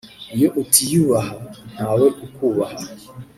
iyo utiyubaha ntawe ukubaha